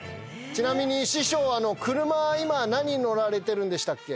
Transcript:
ちなみに師匠は車今何に乗られてるんでしたっけ？